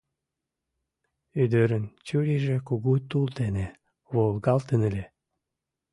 Ӱдырын чурийже кугу тул дене волгалтын ыле!